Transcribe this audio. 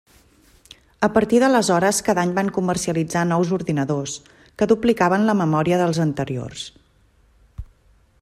A partir d'aleshores cada any van comercialitzar nous ordinadors, que duplicaven la memòria dels anteriors.